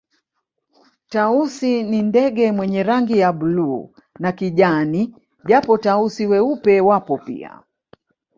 Tausi ni ndege mwenye rangi ya bluu na kijani japo Tausi weupe wapo pia